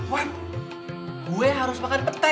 wah gue harus makan petai